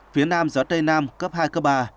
phía nam gió tây nam cấp hai cấp ba